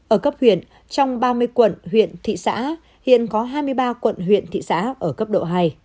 ở cấp huyện trong ba mươi quận huyện thị xã hiện có hai mươi ba quận huyện thị xã ở cấp độ hai